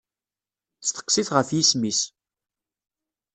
Steqsi-t ɣef yisem-is.